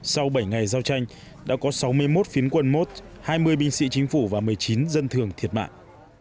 sau bảy ngày giao tranh đã có sáu mươi một phiến quân mốt hai mươi binh sĩ chính phủ và một mươi chín dân thường thiệt mạng